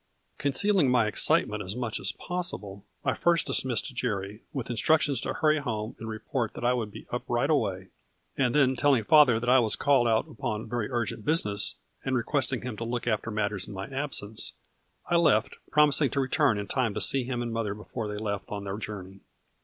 Concealing my excitement as much as pos sible, I first dismissed Jerry, with instructions to hurry home and report that I would be up right away, and then telling father that I was called out upon very urgent business, and re questing him to look after matters in my absence, I left, promising to return in time to see him and mother before they left on their journey.